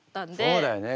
そうだよね